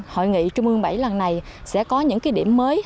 hội nghị trung ương bảy lần này sẽ có những điểm mới